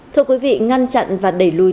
thưa quý vị ngăn chặn và đẩy lùi